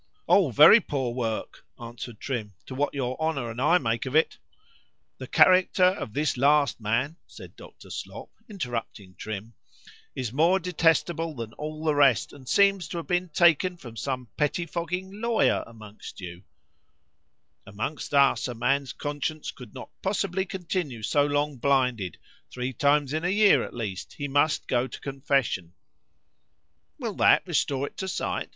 _———O! very poor work, answered Trim, to what your Honour and I make of it.——The character of this last man, said Dr. Slop, interrupting Trim, is more detestable than all the rest; and seems to have been taken from some pettifogging Lawyer amongst you:—Amongst us, a man's conscience could not possibly continue so long blinded,——three times in a year, at least, he must go to confession. Will that restore it to sight?